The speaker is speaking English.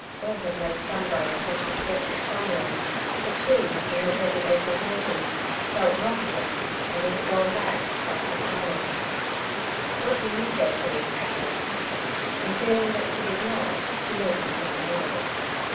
All had made some brave attempt at festive finery, but she, in her present exultation, felt not of them, and would have gone back but for Palmer. 'What do you care for these cattle?' And feeling that she did not, she went into an angle.